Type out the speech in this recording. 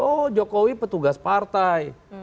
oh jokowi petugas partai